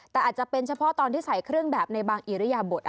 แต่อาจจะเป็นเฉพาะตอนที่ใส่เครื่องแบบในบางอิริยบท